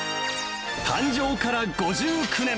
誕生から５９年。